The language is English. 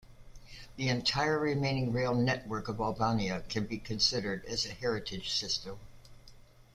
The entire remaining rail network of Albania can be considered as a heritage system.